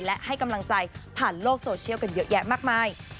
และให้กำลังใจผ่านโลกโซเชียลกันเยอะแยะมากมาย